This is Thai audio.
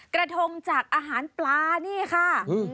กระทงจากอาหารปลานี่ค่ะ